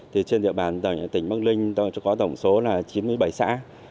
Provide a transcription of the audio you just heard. trên địa bàn tỉnh bắc ninh có tổng số chín mươi bảy xã